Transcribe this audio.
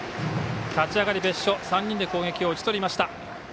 立ち上がり、別所３人で攻撃を打ち取りました。